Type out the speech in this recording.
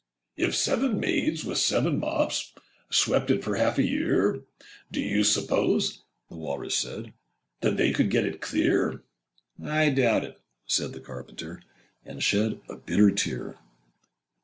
'If seven maids with seven mops Â Â Â Â Swept it for half a year, Do you suppose,' the Walrus said, Â Â Â Â 'That they could get it clear?' 'I doubt it,' said the Carpenter, Â Â Â Â And shed a bitter tear.